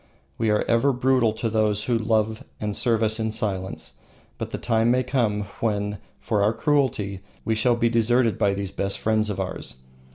We are ever brutal to those who love and serve us in silence, but the time may come when, for our cruelty, we shall be deserted by these best friends of ours.